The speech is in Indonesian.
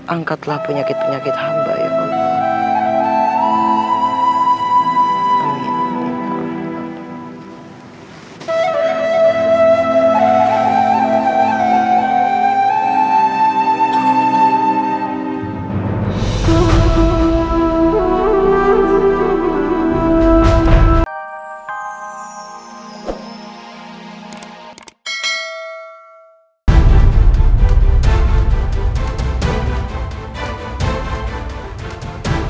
angkatlah penyakit penyakit hamba ya allah